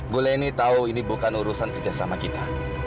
bu leni tahu ini bukan urusan kerjasama kita